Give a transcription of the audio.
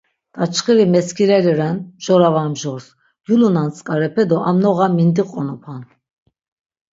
Daçxiri meskireli ren, mjora va mjors, gyulunan tzǩarepe do am noğa mindiqonupan.